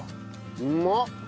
うまっ！